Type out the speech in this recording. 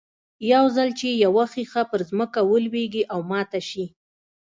يو ځل چې يوه ښيښه پر ځمکه ولوېږي او ماته شي.